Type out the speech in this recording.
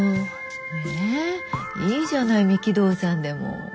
えぇいいじゃない三木道山でも。